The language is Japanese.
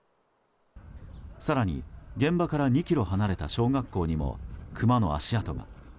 更に現場から２ｋｍ離れた小学校にもクマの足跡が。